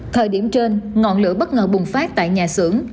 thời điểm trên ngọn lửa bất ngờ bùng phát tại nhà xưởng